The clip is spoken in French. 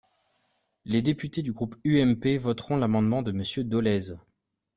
Les députés du groupe UMP voteront l’amendement de Monsieur Dolez.